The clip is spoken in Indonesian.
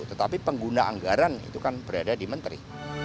tetapi pengguna anggaran itu kan berada di menteri